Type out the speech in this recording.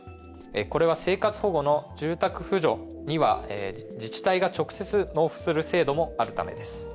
これは生活保護の住宅扶助には自治体が直接納付する制度もあるためです。